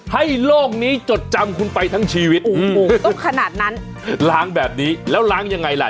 โลกนี้จดจำคุณไปทั้งชีวิตโอ้โหต้องขนาดนั้นล้างแบบนี้แล้วล้างยังไงล่ะ